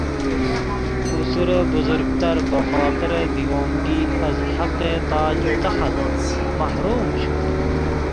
پسر بزرگتر به خاطر دیوانگی از حق تاج و تخت محروم شد.